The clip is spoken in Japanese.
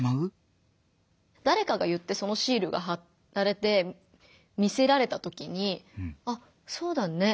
だれかが言ってそのシールがはられて見せられたときに「あっそうだね。